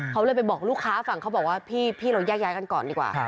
เขาเลยไปบอกลูกค้าฟังเขาบอกว่าพี่เราแยกย้ายกันก่อนดีกว่า